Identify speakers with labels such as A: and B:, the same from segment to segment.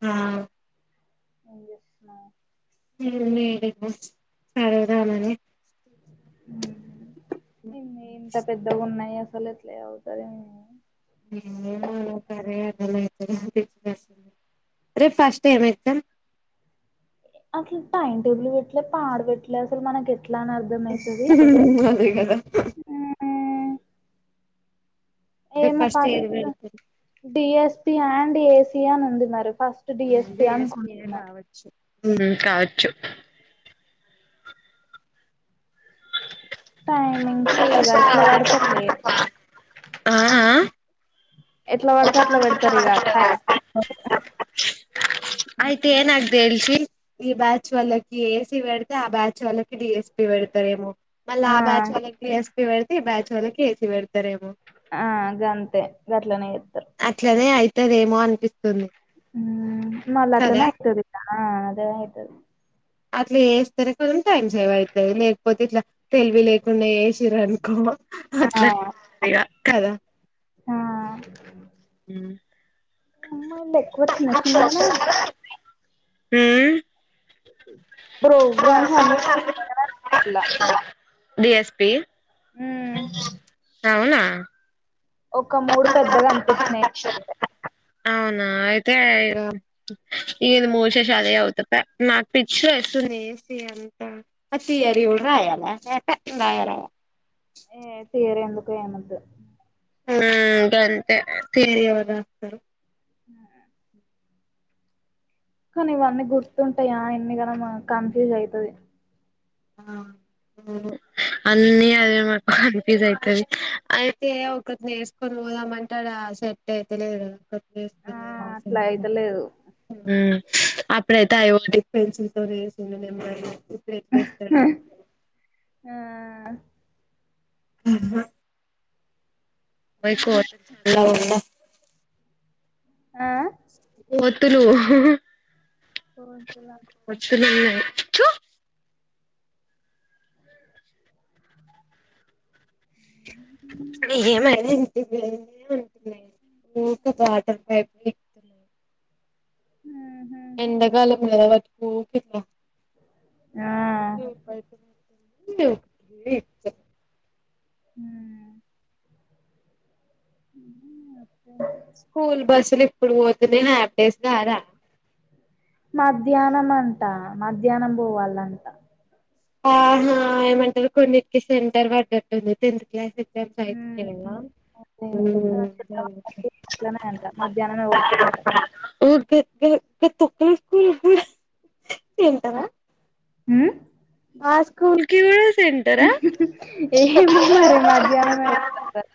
A: ఆ
B: ఏం చేస్తున్నారు
A: [inaudible] సరే రా మరి
B: ఉమ్ ఏంది ఇంత పెద్దగా ఉన్నాయి అస గలట్లే అవుతాదేమో
A: రేపు ఫస్ట్ టైం ఏత్తాం
B: అట్లా టైం టేబుల్ పెట్లే పాడు పెట్లే అసలు మనకె
A: [unintelligible] అదే గదా
B: ట్ ఏమో
A: ఏది
B: ఫస్ట్
A: పెడతారు
B: డిఎస్ ఆడ్ ఏసి అని ఉంది మరి ఫస్ట్ డిఎస్పి అనుకుంటున్నా
A: ఉమ్ కావచ్చు
B: టైమింగ్స్ ఇగ ఎట్లా వాడితె అట్ల
A: ఆ ఆ
B: ఎట్లా వాడితే అట్లా వెడ్ తారు ఇగ టైమింగ్స్ ట్
A: ఆయితే నాకు తెలిసి ఈ బ్యాచ్ వాళ్ళకి ఏసీ పెడితే ఆ బ్యాచ్ వాళ్ళకి డిఎస్పి పెడతారేమో మళ్ళ ఆ బ్యాచ్ వాళ్ళకి డిఎస్పి పెడితే ఈ బ్యాచ్ వాళ్ళకి ఏసీ పెడతారేమో
B: ఆ గంతే గట్లనే చెప్తారు
A: అట్లానే అయి తది ఏమో అనిపిస్తుంది
B: ఉ మళ్ళ
A: కదా
B: అట్లనే అయితది ఇగ ఆ అదే అయితది
A: అట్లే చేస్తనే కొంచెం టైమ్ సేవ్ అయితది లేక్ పోతే ఇట్లా తెలివి లేకుండా చేసిన్రు అనుకో అట్లా
B: ఆ
A: కాద
B: ఆ
A: హు
B: అమ్మాయిలు ఎక్కువ చిన్న చిన్నగనే ఉన్నాయి
A: హ్మ్
B: ప్రోగ్రామ్స్ అన్ని చిన్నగానే ఉన్నాయి ఇళ్ల
A: డిఎస్పి ఆ అవునా
B: ఒక మూడు పెద్దగా అనిపించినయి నాకయితే
A: అవునా అయితే ఇగ నేను ఇది మూషేషి అదే చదుత పో నాకు పిచ్చి లేస్తుంది డీఎస్పీ అంత అది థియరీ కూడా రాయాలా ఏహే పో నేన్ రాయ రాయ
B: ఏ థియరీ ఎందుకు ఏమొద్దు
A: ఆ గంతే థియరీ ఎవడు రాత్తరు
B: ఆ కానీ ఇవన్నీ గుర్తుంటాయా ఇన్నిగణం కన్ఫ్యూజ్ అయితయి ఇగ
A: ఆ అన్నీ అదే మానకు కన్ఫ్యూజ్ అయితుది అయితే ఒకటి చేసుకొని పోదామంటే సెట్ అయిత లేదు
B: ఆ అట్లా అయితలేదు
A: హు అపడేయితే అయవటి ఫెల్సి రసి [unintelligible] బేబే సరిపో
B: ఆ
A: అహ్ వయికు [unintelligible]
B: ఆ
A: ఒత్తులు హుహుహు
B: కొసలా
A: వచ్చురు చు ఏమై [unintelligible] ఉ ఇంక వాటర్ పైపు ఎక్కుతున్నాయి.
B: ఉహు
A: వట్కు కిన్నా
B: ఆ
A: [unintelligible] ద
B: హ ఉ అప్పే
A: స్కూల్ బస్సులు ఇప్పుడు పోతున్నాయి హ్యాపీ డేస్ దారా
B: మధ్యాహ్నం అంట, మధ్యాహ్నం పోవాలంట.
A: ఆహ ఏమంటారు కొన్నిటికి సెంటర్ పడ్డట్టుంది టెన్త్ క్లాస్.
B: హ్మ్ అదే ఆ చిన్నవాళ్ళకి అట్లనే అంట మధ్యాహ్నమే కొడతారట
A: [unintelligible] తు [unintelligible] ఉ హుహు తింటారా
B: ఉ
A: ఆ స్కూల్కి
B: హుహుహు ఏమో మరి మధ్యాహ్నం వత్తార్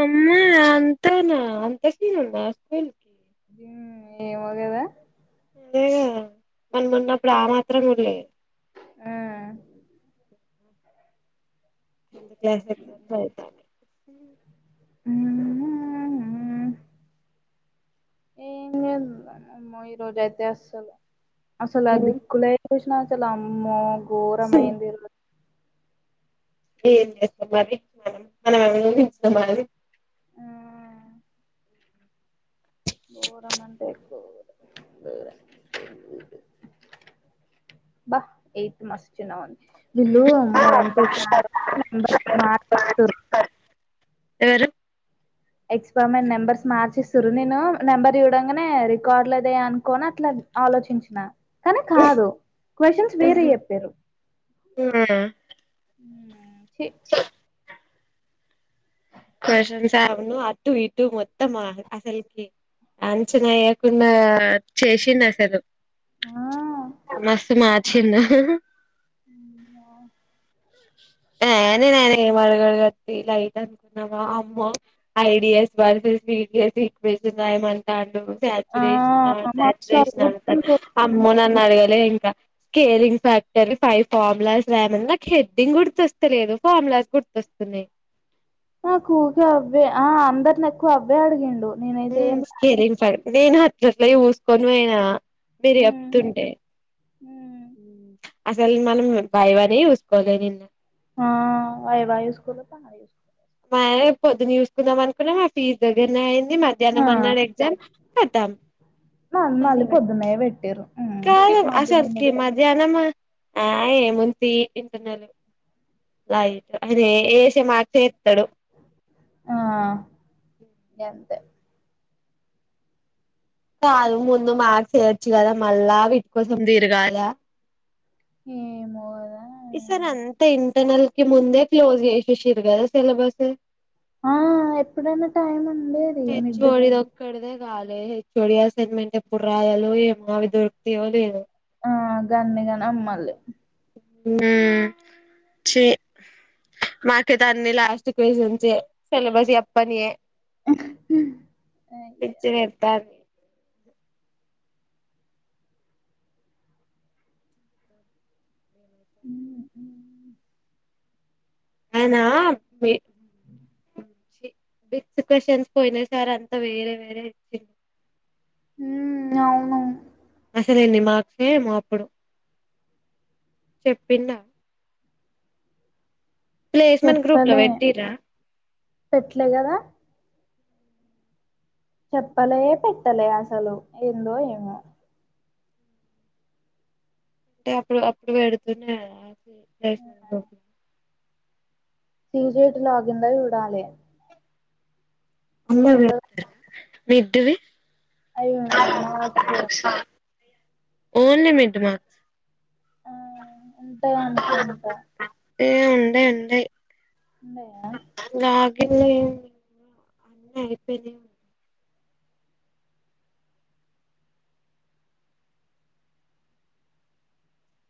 A: అమ్మా అంతెనా అంత క్యూ ఉందా స్కూల్ కి
B: ఏమొగదా
A: అదేగా మనం ఉన్నప్పుడు ఆ మాత్రం కూడా లేదు.
B: ఆ
A: టెన్త్ క్లాస్ అయితే
B: ఉహు హ ఏ లేదు ఇంకా ఆమ్మో ఈరోజు అయితే అసలు అసలు దిక్కులే చూసినవా చేల్లీ ఆమ్మో గోరంమయందిరు
A: ఏం చేస్తాం మరి మనం మనం అనుభించినాం మరి
B: గోరం అంత ఎక్కువ బా ఎయిత్ మాస్చ్చన్నా వీళ్ళు ఆమ్మో [unintelligible]
A: ఎవరు
B: ఎక్స్ప మంట్ నెంబర్స్ మార్చేస్తు్ర నేను నెంబర్ ఇవ్వడంగానే రికార్డులదేయ అనుకోని అట్లా ఆలోచించిన కానీ కాదు క్వశ్చన్స్ వేరే చెప్పిర్రు
A: ఆ
B: చి
A: క్వచన్ను అటు ఇటు మొత్తం అసల్కి అంచనా చెయ్యకుండా చేసిండు అసలు
B: ఆ
A: మస్తు మా చింద ఆ నేను ఆయిన ఏం అడగడు కని తియ్ లైట్ అనుకున్నా అమ్మో ఐడియస్ బర్సస్ సెక్వాన్స్ రాయమంటండు
B: ఆ
A: సాచ్యురేషన్
B: మస్తు
A: సాచ్యురేషన్
B: అలుగుతుండు
A: అమ్మో నన్ను అడగాలే క స్కేలింగ్ ఫ్యాక్టర్ ఫైవ్ ఫార్లాస్ రాయమని నాక్ హే డ్డింగ్ గుర్తొస్తలేదు ఫామ్ లాస్ గుర్తొస్తున్నాయి
B: నాకూకే అవ్వే ఆ అందరిని ఎక్కువ అవ్వే అడిగిండు
A: ఉ
B: నేనైతే ఏం
A: సేర నిన్ అట్ అట్లట్ల చూస్కొని అయినా మీరు చెప్తుంటే
B: హమ్
A: అసలు మనం వైవనే చూసుకోలే నిన్న
B: ఆ వైవా పాడుచుసుకోలే
A: మానే పొద్దున చూసుకుందాం అనుకున్నా మా ఫీజ్ దగ్గరనే అయింది ది మధ్యానం అన్నాడు ఎగ్జామ్ కతం
B: మళ్ళీ మళ్ళీ పొద్దున్నే పెట్టిరు
A: కాదు అసల్కి మధ్యాహ్నం ఆ ఏముంది ఇంటర్నల్ ఏ లైట్ అయన వేసే మార్క్ ఎస్తాడు
B: ఆహ్ గంతే
A: కాదు ముందు మాకు చేయచ్చు కదా మళ్ళా వీటి కోసం తిరగాల
B: ఏమో ఇగ
A: ఈ సారి అంత ఇంటర్నల్ కి ముందే క్లోజ్ చేసేసిరు కదా సిలబసు
B: ఆ ఎప్పుడైనా టైం ఉండేది మిడ్ కి
A: రాలే హెచ్ఓడీ అసైన్మెంట్ ఎప్పుడు రాయలొ ఏమో అవి దొరుకుతయో లేదో
B: ఆ గన్నిగానం మళ్ళి
A: హమ్ చి మాకు అయితే అన్ని లాస్ట్ క్యూషన్స్ ఏ సిలబస్ చెప్పనియే పిచ్చి లేతంది [inaudible]
B: ఉమ్
A: అయినా బి బి బిగ్ క్యూస్షన్స్ పోయిన సారీ వేరే వేరే ఇచ్చిండు
B: హ అవును
A: అసలు ఎన్ని మార్క్స్ హో ఏమో అప్పుడు చెప్పిండ ప్లేస్మెంట్ గ్రూప్ ల
B: చెప్పలే
A: పెట్టిరా
B: పెట్లే కదా చెప్పలే పెట్టలే అసలు ఏందో ఏమో
A: అంటే అప్పుడు అప్పుడు పెడుతూనే అ ఏందో
B: సీజయిట్ లాగిందో చూడాలే అలుంటది
A: వేధువీ
B: అయ్యో madam marks
A: only mid marks
B: ఆ ఉంటాయి అనుకుంటా
A: ఏ ఉండయి ఉండయి
B: ఉండాయా
A: అయిపోయినాయి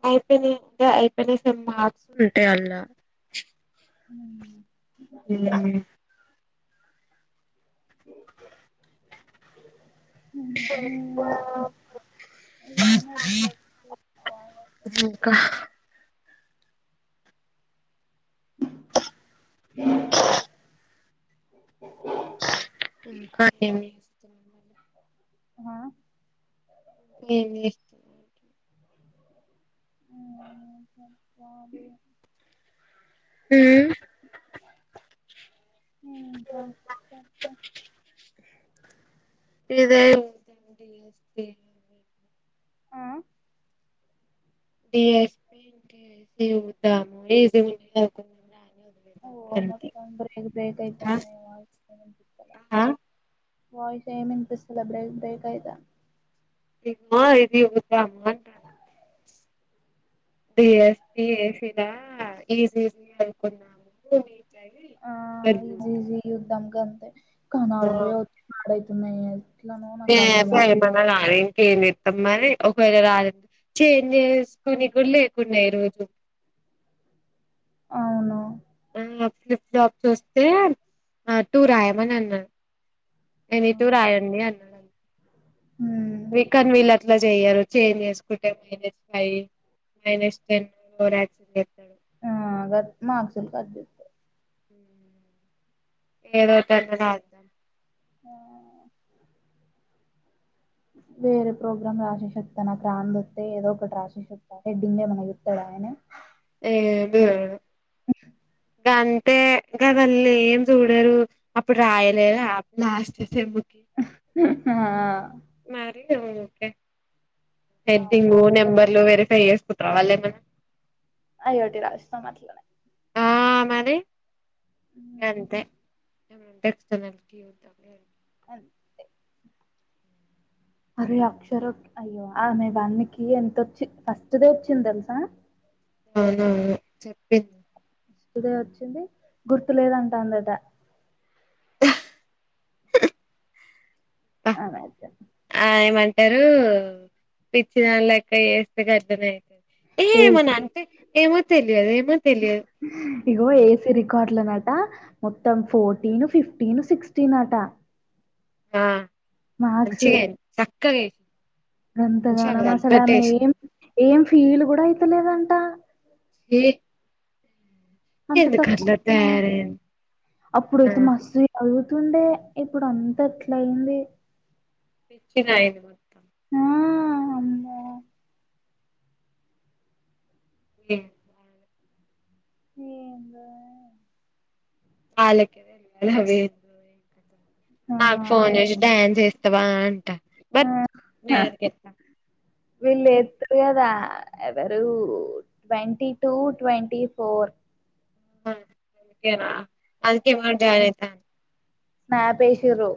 A: అయిపోయినాయి అంటే అయిపోయినా మార్క్స్ ఉంటాయి అన్న
B: ఉ
A: ఉ
B: ఇవన్నీ ఎట్లా
A: ఇంకా ఇంకా ఏమి జనాం వా
B: ఆ
A: నేను ఇస్తు
B: ఉ చెప్పాలి
A: ఉ
B: ఇంకా చెప్పు
A: ఇదే ఇంకా [unintelligible]
B: ఆ
A: [unintelligible] ఏం లేదు
B: ఓ
A: అంతే
B: మొత్తం బ్రేక్ బ్రేక్
A: ఆ
B: అయితాంది వాయిస్ ఏం వినిపిస్తలే
A: ఆ
B: వాయిస్ ఏమి వినిపిస్తలే బ్రే బ్రేక్ అయిత
A: ఇమా ఇది ఉందామా అంటన్నా బీఎస్సీ ఏసీరా ఈసీసీ [inaudible]
B: దమ్ క అంతే నాకు ఇవే వచ్చు నాడై మే
A: ఏసేయ్ ఏమన్నా గానీ ఏం చేద్దాం మరి ఒకవేళ రాలడి చేం చేసుకుని కూడా లేకున్నాయి రోజు
B: అవును
A: ఆ ఫ్లిప్ప్టాప్ చూస్తే ఆ టూ రాయమని అన్నారు
B: ఆ
A: ఎనితూ రాయండి అన్నాడు
B: ఉమ్
A: వీకన్ వీల అట్లా చెయరూ చేంజ్ చేసుకుంటే మైనస్ ఫైవ్ మైనస్ టెన్ చేస్తాడు
B: మాక్సులు కట్జెస్తార్
A: ఏదోటి అంటడు ఆ
B: ఆ వేరే ప్రోగ్రామ్ రాసే చెప్తాను నాక్రాంద్ వస్తే ఏదో ఒకటి రాసే చెప్తాను హెడ్డింగ్ ఏమన జెప్తాడా ఆయనే
A: ఏ బి ఇవరు ఇక అంతే గదళ్ళు ఏం చూడరు అప్పుడు రాయలేరా లాస్ట్ సెమ్ కి
B: ఆ
A: ఓకే
B: అవును
A: హెడ్డింగ్ నెంబర్లు వేరే వేసుకుంట్రా వాలెమన్న
B: అయోటి రాసేస్తం మాట్లేనే
A: ఆ మరి
B: ఉమ్.
A: అంతే ఏమన్నా ఉంటే ఎక్స్టర్నల్ కి చూస్తానా
B: అంతే అరే అక్షర అయ్యో ఆమె వానికి ఎంతొచ్చి ఫస్ట్ దే వచ్చింది తెలుసా
A: అవునా చెప్పింది
B: ఇదే వచ్చింది గుర్తు లేదంద టా అను అయితే
A: రాయమంటారు పిచ్చిధన్లెక్క చేేస్తే గర్ద మైతుంది ఏ
B: ఏసి
A: ఏమన్నా అంటే ఏమో తెలియదు ఏమో తెలియదు
B: ఇగో ఏసీ రికార్డులనట మొత్తం ఫోర్టీన్ ఫిఫ్టీన్ సిక్స్టీన్ అట
A: ఆ మంచిగైంది క్క గే
B: అంతగాన మా అసల ఆమె ఏం ఏం ఫీలు కూడా అయితలేదంట
A: ఏ
B: అంత
A: ఎందుకు
B: తక్కువ
A: అట్లా
B: తిన్న
A: తయారయింది ఆ
B: అప్పుడైతే మస్తు ఉండే ఇప్పుడు అంతా అట్ల అయింది
A: పిచిదయింది మొత్తం
B: ఆ అమ్మో
A: ఏ
B: ఏందో
A: ఆలే
B: ఆ
A: నాకు ఫోన్ చేసి డ్యాన్స్ బా అంట
B: ఆ
A: బట్
B: హ్హ
A: నేను అందుకేనా
B: వెళ్ళేత్త్ [unintelligible] కదా ట్వంటీ టూ, ట్వంటీ ఫోర్
A: అం దుకేనా అంకే, మరి జాయినయితాన్
B: స్నాపేషిర్రు